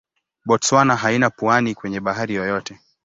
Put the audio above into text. Botswana haina pwani kwenye bahari yoyote.